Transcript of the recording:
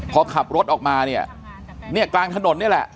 พอขับรถออกมาเนี่ยเนี่ยกลางถนนนี่แหละ